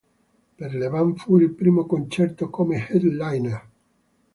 Per la band fu il primo concerto come headliner.